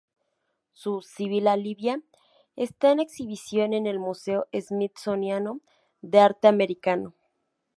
Su "Sibila libia" está en exhibición en el Museo Smithsoniano de Arte Americano.